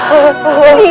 kenapa kau pergi